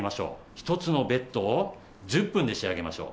１つのベッドを１０分で仕上げましょう。